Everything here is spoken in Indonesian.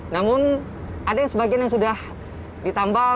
namun ada yang sebagian yang sudah ditambal